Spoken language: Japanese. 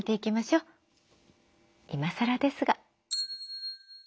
いまさらですが。